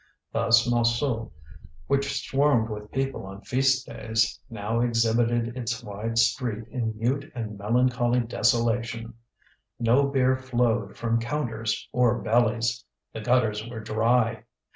Thus Montsou, which swarmed with people on feast days, now exhibited its wide street in mute and melancholy desolation. No beer flowed from counters or bellies, the gutters were dry.